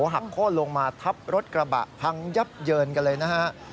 หักโค้นลงมาทับรถกระบะพังยับเยินกันเลยนะฮะ